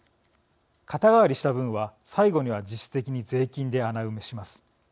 肩代わりした分は最後には実質的に税金で穴埋めします。